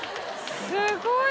すごい。